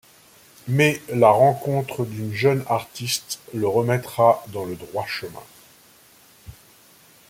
Mais la rencontre d'une jeune artiste le remettra dans le droit chemin.